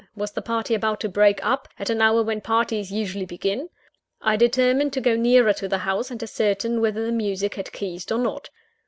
Was the party about to break up, at an hour when parties usually begin? I determined to go nearer to the house, and ascertain whether the music had ceased, or not.